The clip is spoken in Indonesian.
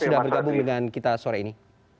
sudah bergabung dengan kita sore ini